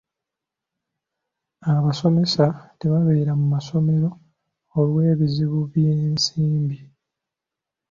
Abasomesa tebabeera mu masomero olw'ebizibu by'ensimbi.